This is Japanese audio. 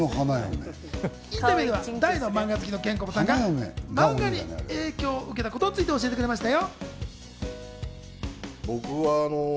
インタビューでは大のマンガ好きのケンコバさんがマンガに影響を受けたことについて教えてくれましたよ。